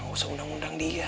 gak usah undang undang dia